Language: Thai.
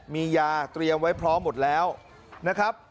มียาเตรียมไว้พร้อมหมดแล้วนะครับ